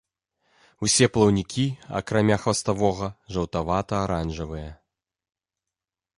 Усе плаўнікі, акрамя хваставога, жаўтавата-аранжавыя.